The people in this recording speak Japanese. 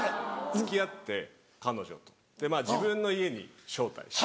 付き合って彼女とまぁ自分の家に招待して。